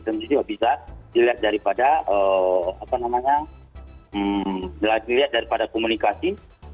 tentu juga bisa dilihat daripada komunikasi